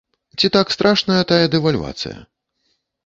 Ці так страшная тая дэвальвацыя?